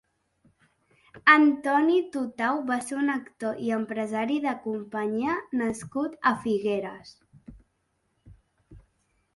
Antoni Tutau va ser un actor i empresari de companyia nascut a Figueres.